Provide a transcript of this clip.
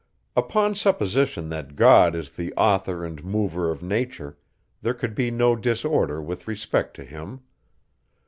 Upon supposition that God is the author and mover of nature, there could be no disorder with respect to him.